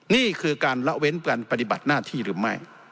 นี่คือการละเว้นการปฏิบัติหน้าที่หรือไม่